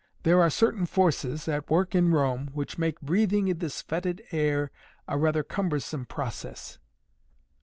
There are certain forces at work in Rome which make breathing in this fetid air a rather cumbersome process."